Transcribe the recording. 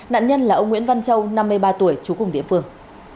nạn nhân là ông nguyễn văn châu năm mươi ba tuổi chú cùng địa phương